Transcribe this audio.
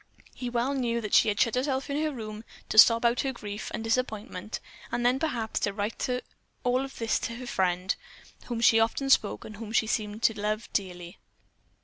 He well knew that she had shut herself in her room to sob out her grief and disappointment and then perhaps to write it all to this friend of whom she so often spoke and whom she seemed to love so dearly.